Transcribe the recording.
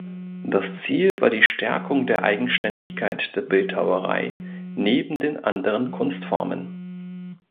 Das Ziel war die Stärkung der Eigenständigkeit der Bildhauerei neben den anderen Kunstformen.